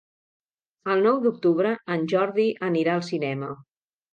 El nou d'octubre en Jordi anirà al cinema.